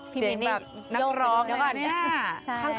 พี่บินนี่นักร้องดีกว่าเนี่ย